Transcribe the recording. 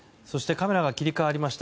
カメラが切り替わりました。